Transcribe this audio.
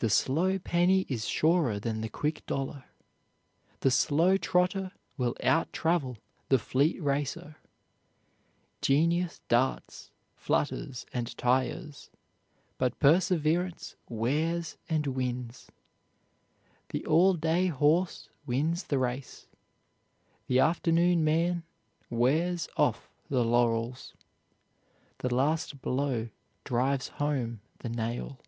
The slow penny is surer than the quick dollar. The slow trotter will out travel the fleet racer. Genius darts, flutters, and tires; but perseverance wears and wins. The all day horse wins the race. The afternoon man wears off the laurels. The last blow drives home the nail.